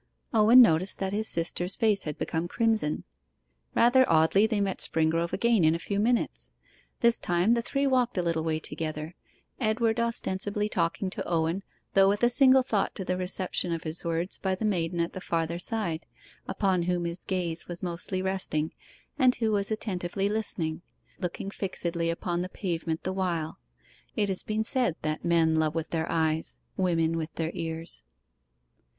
Owen noticed that his sister's face had become crimson. Rather oddly they met Springrove again in a few minutes. This time the three walked a little way together, Edward ostensibly talking to Owen, though with a single thought to the reception of his words by the maiden at the farther side, upon whom his gaze was mostly resting, and who was attentively listening looking fixedly upon the pavement the while. It has been said that men love with their eyes; women with their ears.